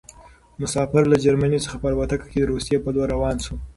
مسافر له جرمني څخه په الوتکه کې د روسيې په لور روان شو.